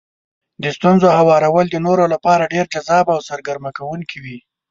د ستونزو هوارول د نورو لپاره ډېر جذاب او سرګرمه کوونکي وي.